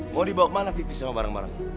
mau dibawa kemana vivi sama barang barang